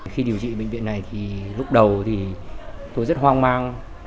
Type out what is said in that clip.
khi điều trị bệnh viện này lúc đầu tôi rất hoang mang